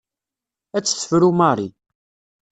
Ad tt-tefru Marie.